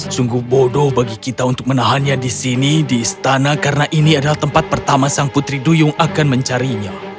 sungguh bodoh bagi kita untuk menahannya di sini di istana karena ini adalah tempat pertama sang putri duyung akan mencarinya